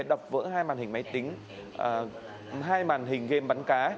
đập vỡ hai màn hình game bắn cá